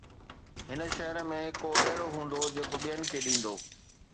هن شهر ۾ ڪو اهڙو هوندو جيڪو ٻين کي ڏيندو؟